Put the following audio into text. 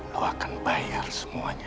lu akan bayar semuanya